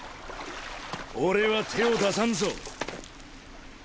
俺は手を出さんぞ